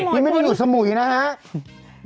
นี่ไม่ได้อยู่สมุยนะครับ